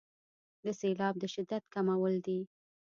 د سیلاب د شدت کمول دي.